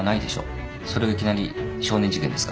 それをいきなり少年事件ですか。